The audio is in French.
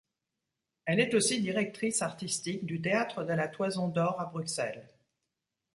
Elle est aussi directrice artistique du Théâtre de la Toison d'or à Bruxelles.